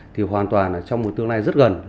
thì hoàn toàn trong một tương lai rất gần